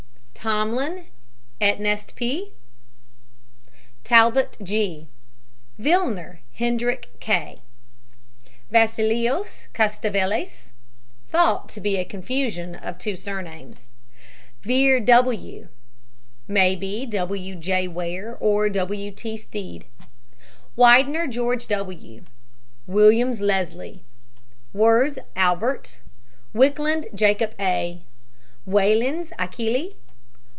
TOMLIN, ETNEST P. TALBOT, G. VILLNER, HENDRICK K. VASSILIOS, CATALEVAS (thought to be a confusion of two surnames). VEAR, W. (may be W. J. Ware or W. T. Stead). WIDENER, GEORGE W. WILLIAMS, LESLIE. WIRZ, ALBERT WIKLUND, JACOB A. WAILENS, ACHILLE.